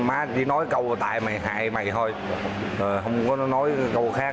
má chỉ nói câu tại mày hại mày thôi không có nói câu khác